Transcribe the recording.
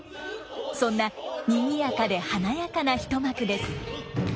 そんなにぎやかで華やかな一幕です。